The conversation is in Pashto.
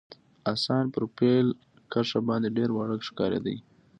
اسان پر پیل کرښه باندي ډېر واړه ښکارېدل.